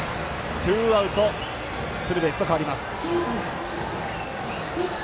ツーアウトフルベースと変わります。